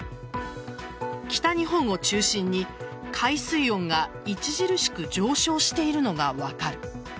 北日本を中心に、海水温が著しく上昇しているのが分かる。